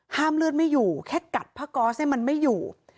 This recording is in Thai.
เลือดไม่อยู่แค่กัดผ้าก๊อสให้มันไม่อยู่